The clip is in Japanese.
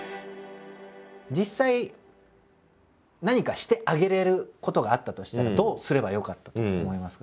実際なにかしてあげれることがあったとしたらどうすればよかったと思いますか？